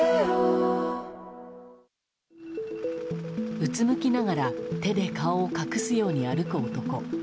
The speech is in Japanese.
うつむきながら手で顔を隠すように歩く男。